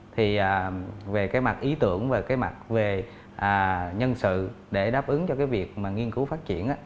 thì về cái mặt ý tưởng về cái mặt về nhân sự để đáp ứng cho cái việc mà nghiên cứu phát triển